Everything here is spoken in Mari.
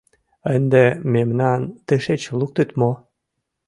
— Ынде мемнам тышеч луктыт мо?